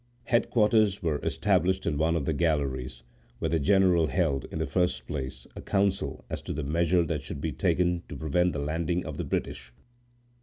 Headquarters were established in one of the galleries, where the general held, in the first place, a council as to the measures that should be taken to prevent the landing of the British.